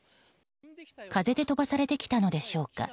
風で飛ばされてきたのでしょうか。